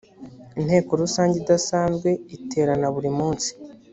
intenko rusange idasanzwe iterana buri munsi